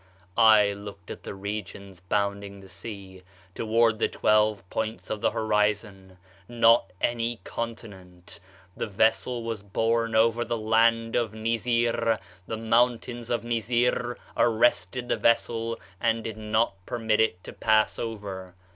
"'I looked at the regions bounding the sea: toward the twelve points of the horizon; not any continent. The vessel was borne above the land of Nizir, the mountain of Nizir arrested the vessel, and did not permit it to pass over.